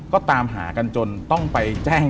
ก็ตามหากันจนต้องไปแจ้ง